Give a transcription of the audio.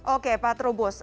oke pak trubus